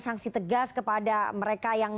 sanksi tegas kepada mereka yang